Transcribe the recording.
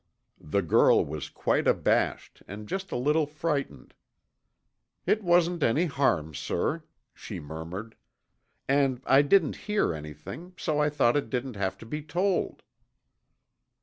The girl was quite abashed and just a little frightened. "It wasn't any harm, sir," she murmured, "and I didn't hear anything, so I thought it didn't have to be told."